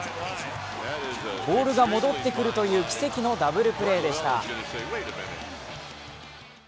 ボールが戻ってくるという奇跡のダブルプレーでした。